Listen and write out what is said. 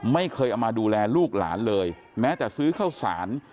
ไม่เคยเอามาดูแลลูกหลานเลยแม้แต่ซื้อข้าวสาร